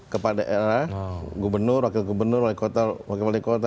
kepada era gubernur wakil gubernur wakil wakil wakil